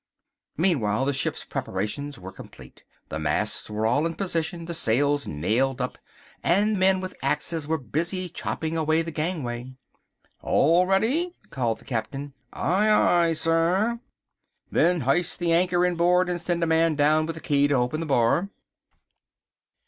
Meantime the ship's preparations were complete. The masts were all in position, the sails nailed up, and men with axes were busily chopping away the gangway. "All ready?" called the Captain. "Aye, aye, sir." "Then hoist the anchor in board and send a man down with the key to open the bar."